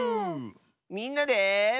みんなで。